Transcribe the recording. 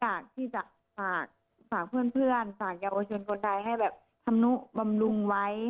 อยากที่จะฝากฝากเพื่อนเพื่อนฝากเยาวชนคนไทยให้แบบทำนุบำรุงไว้